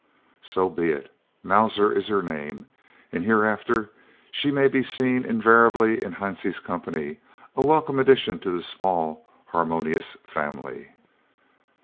So be it. "Mauser" is her name, and hereafter she may be seen invariably in Hansie's company, a welcome addition to the small, harmonious family.